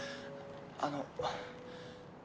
あの。